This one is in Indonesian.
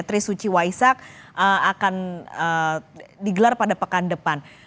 trisuci waisak akan digelar pada pekan depan